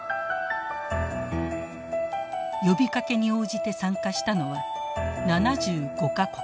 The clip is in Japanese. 呼びかけに応じて参加したのは７５か国。